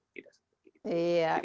tidak seperti itu